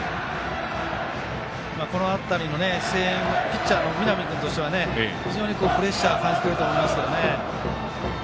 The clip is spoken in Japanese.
この辺りの声援ピッチャーの南君としては非常にプレッシャー感じてると思いますけどね。